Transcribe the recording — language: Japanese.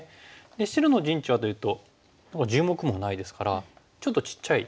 で白の陣地はというと１０目もないですからちょっとちっちゃい。